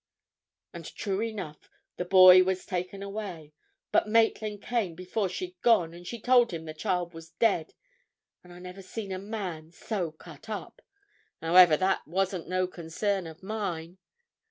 And true enough, the boy was taken away, but Maitland came before she'd gone, and she told him the child was dead, and I never see a man so cut up. However, it wasn't no concern of mine.